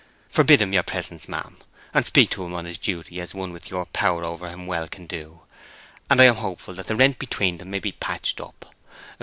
Forbid him your presence, ma'am, and speak to him on his duty as one with your power over him well can do, and I am hopeful that the rent between them may be patched up.